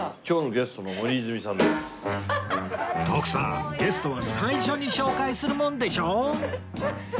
徳さんゲストは最初に紹介するもんでしょ！